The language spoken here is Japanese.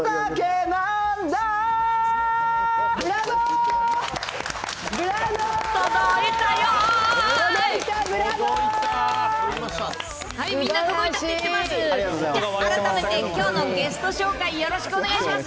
では改めてゲスト紹介、よろしくお願いします。